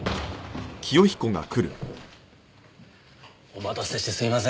お待たせしてすいません。